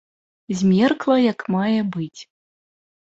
Змеркла як мае быць.